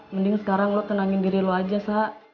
mending sekarang lo tenangin diri lu aja sa